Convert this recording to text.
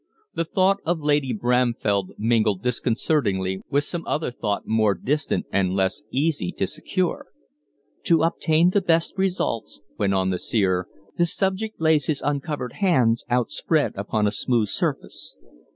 The thought of Lady Bramfell mingled disconcertingly with some other thought more distant and less easy to secure. "To obtain the best results," went on the seer, "the subject lays his uncovered hands outspread upon a smooth surface."